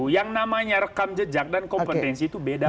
yang namanya rekam jejak dan kompetensi itu beda